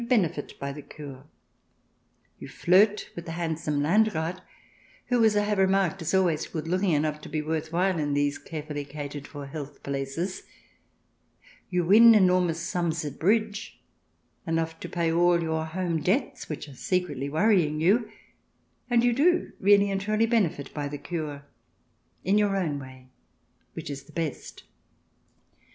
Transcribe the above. VII] PRINCES AND PRESCRIPTIONS 93 benefit by the Kur; you flirt with the handsome Landrath (whom, as I have remarked, is always good looking enough to be worth while in these carefuUy catered for health places) ; you win enor mous sums at bridge — enough to pay all your home debts which are secretly worrying you — and j'ou do really and truly benefit by the cure, in your own way, which is the best.